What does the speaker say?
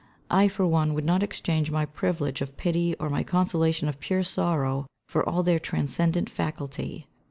I for one would not exchange my privilege of pity or my consolation of pure sorrow for all their transcendent faculty.